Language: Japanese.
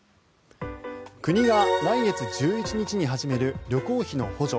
国が来月１１日に始める旅行費の補助